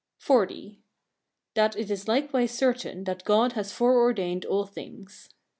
XL. That it is likewise certain that God has fore ordained all things.